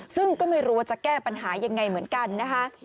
ซึ่งก็ไม่รู้ว่าจะแก้ปัญหายังไงเหมือนกันนะคะ